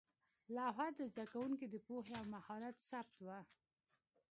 لوحه د زده کوونکو د پوهې او مهارت ثبت وه.